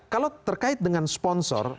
kalau terkait dengan sponsor